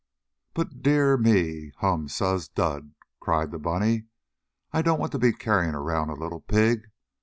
"But dear me hum suz dud!" cried the bunny. "I don't want to be carrying around a little pig.